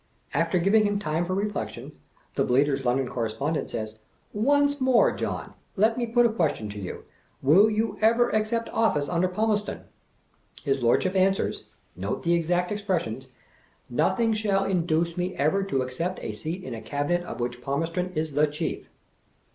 After giving him time for reflection, the JBZeaier's London Correspondent says, "Once more, John, let me put a question to you. Will you ever accept office under Palmerston?" His Lord ship answers (note the exact expressions), " Nothing shall induce me ever to accept a seat ia a Cabinet of which Palm erston is the Chief."